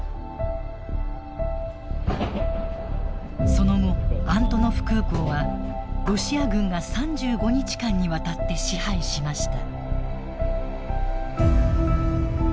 その後アントノフ空港はロシア軍が３５日間にわたって支配しました。